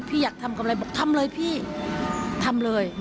อยากทำกำไรบอกทำเลยพี่ทำเลย